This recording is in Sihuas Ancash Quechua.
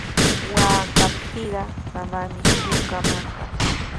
Waqaptiiqa mamaami shuqamanqa.